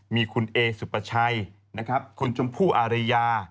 มีคุณเอสุปชัยคุณชมภูอารยา